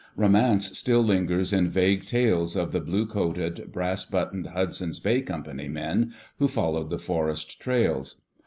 Romance still lingers in vague tales of the blue coated, brass buttoned Hudson*s Bay Company men who followed the forest trails.